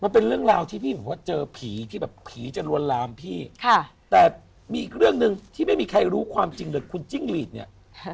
มันเป็นเรื่องราวที่พี่บอกว่าเจอผีที่แบบผีจะลวนลามพี่แต่มีอีกเรื่องหนึ่งที่ไม่มีใครรู้ความจริงเลยคุณจิ้งหลีดเนี่ย